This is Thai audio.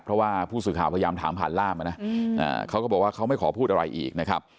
เพราะว่าผู้สื่อข่าวพยายามถามผ่านล่ามนะเขาก็บอกว่าเขาไม่ขอพูดอะไรอีกนะครับ